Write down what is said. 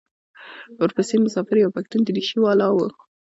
ورپسې مسافر یو پښتون درېشي والا و.